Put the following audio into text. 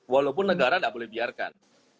walaupun negara tidak boleh biarkan